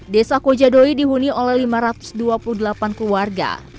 desa kojadoi dihuni oleh lima ratus dua puluh delapan keluarga